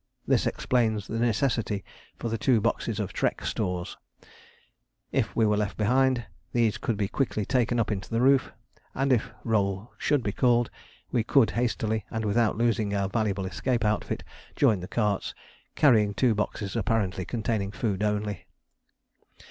This explains the necessity for the two boxes of "Trek Stores": if we were left behind, these could be quickly taken up into the roof; and if roll should be called, we could hastily, and without losing our valuable escape outfit, join the carts, carrying two boxes apparently containing food only.